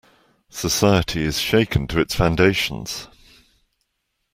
Society is shaken to its foundations.